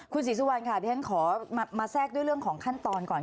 คุณศรีสุวรรณค่ะที่ฉันขอมาแทรกด้วยเรื่องของขั้นตอนก่อน